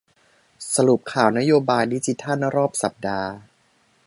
สรุปข่าวนโยบายดิจิทัลรอบสัปดาห์